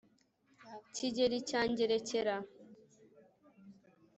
kigeli cya ngerekera